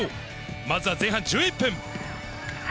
まずは前半１１分。